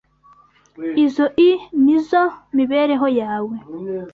Izoi nizoo mibereho yawe.